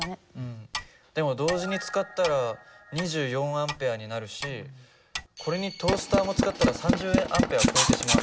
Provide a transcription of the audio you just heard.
でも同時に使ったら２４Ａになるしこれにトースターも使ったら３０Ａを超えてしまう。